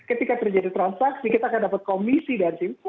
ketika terjadi transaksi kita akan dapat komisi dan simpul